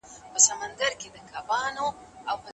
تا ولي بايد ويلي وای.